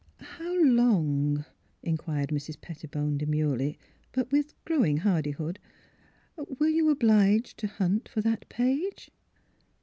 " How long," inquired Mrs. Pettibone de murely, but with growing hardihood, "were you obliged to hunt for that page?